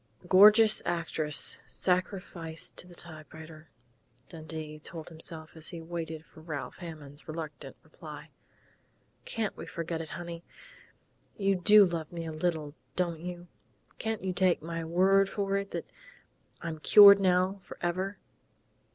"A gorgeous actress sacrificed to the typewriter," Dundee told himself, as he waited for Ralph Hammond's reluctant reply. "Can't we forget it, honey?... You do love me a little, don't you? Can't you take my word for it that I'm cured now forever?"